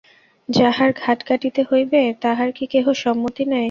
যাহার গাঁঠ কাটিতে হইবে তাহার কি কেহ সম্মতি নেয়।